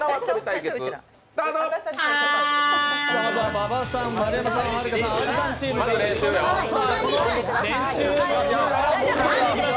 馬場さん、丸山さん、あんりさん、はるかさんチームからです。